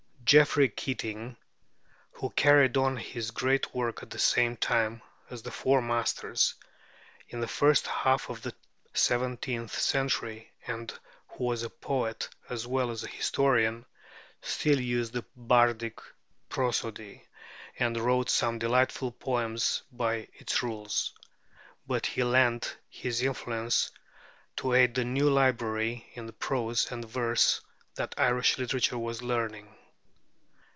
Geoffrey Keating, who carried on his great work at the same time as the Four Masters, in the first half of the seventeenth century, and who was a poet as well as a historian, still used the bardic prosody, and wrote some delightful poems by its rules; but he lent his influence to aid the new liberty in prose and verse that Irish literature was learning.